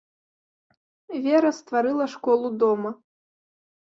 Вера стварыла школу дома.